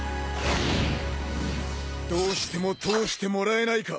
どうしても通してもらえないか？